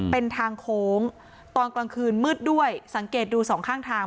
เป็นทางโค้งตอนกลางคืนมืดด้วยสังเกตดูสองข้างทาง